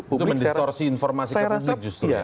itu mendistorsi informasi ke publik justru ya